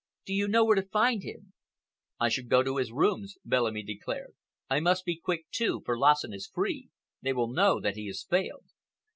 Do you know where to find him?" "I shall go to his rooms," Bellamy declared. "I must be quick, too, for Lassen is free—they will know that he has failed."